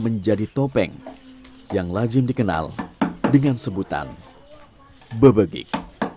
menjadi topeng yang lazim dikenal dengan sebutan bebegik